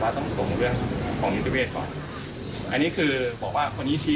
ผมก็ทำไมใช้ไม่ได้เพราะมีหมอ